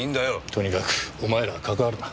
とにかくお前らは関わるな。